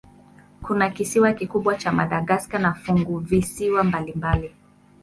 Kuna kisiwa kikubwa cha Madagaska na funguvisiwa mbalimbali.